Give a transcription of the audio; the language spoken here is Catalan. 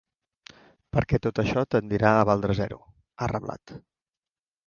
Perquè tota això tendirà a valdre zero, ha reblat.